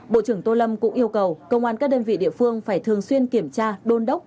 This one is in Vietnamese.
bộ trưởng tô lâm cũng yêu cầu công an các đơn vị địa phương phải thường xuyên kiểm tra đôn đốc